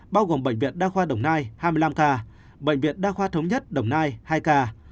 bao gồm bệnh viện đa khoa đồng nai hai mươi năm ca bệnh viện đa khoa thống nhất đồng nai hai ca